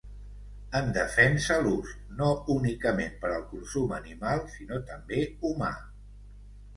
En defensa l’ús, no únicament per al consum animal sinó també humà.